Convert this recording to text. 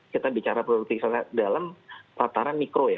kita bicara produktivitas dalam tataran mikro ya